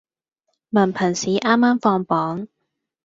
文憑試啱啱放榜